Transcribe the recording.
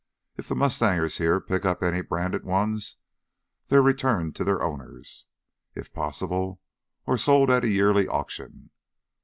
If the mustangers here pick up any branded ones, they're returned to the owners, if possible, or sold at a yearly auction.